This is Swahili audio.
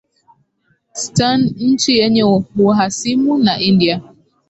stan nchi yenye uhasimu na india